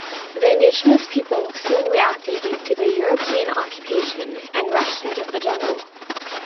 The indigenous people soon reacted to the European occupation, and rushed into the jungle.